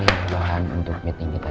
bahan untuk meeting kita